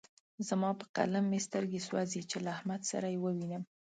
زما په قلم مې سترګې سوځې چې له احمد سره يې ووينم.